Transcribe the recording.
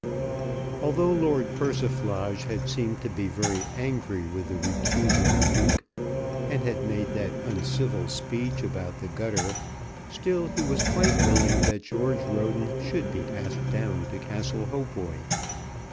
Although Lord Persiflage had seemed to be very angry with the recusant Duke, and had made that uncivil speech about the gutter, still he was quite willing that George Roden should be asked down to Castle Hautboy.